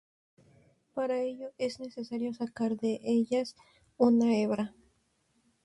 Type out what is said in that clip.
Para ello, es necesario sacar de ellas una hebra.